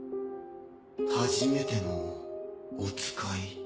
初めてのお使い。